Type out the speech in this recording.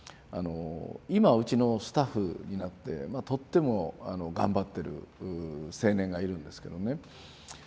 今うちのスタッフになってとっても頑張ってる青年がいるんですけどね